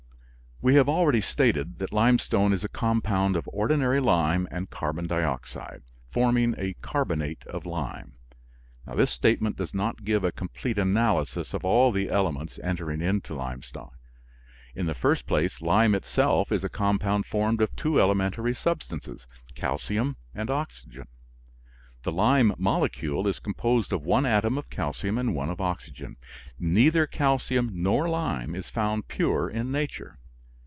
We have already stated that limestone is a compound of ordinary lime and carbon dioxide, forming a carbonate of lime. This statement does not give a complete analysis of all the elements entering into limestone. In the first place lime itself is a compound formed of two elementary substances, calcium and oxygen. The lime molecule is composed of one atom of calcium and one of oxygen. Neither calcium nor lime is found pure in nature.